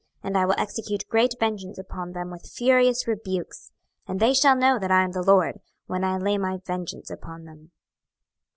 26:025:017 And I will execute great vengeance upon them with furious rebukes; and they shall know that I am the LORD, when I shall lay my vengeance upon them.